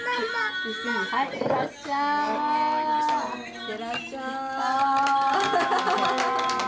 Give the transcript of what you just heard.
いってらっしゃい。